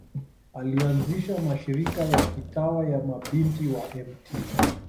Alianzisha mashirika ya kitawa ya Mabinti wa Mt.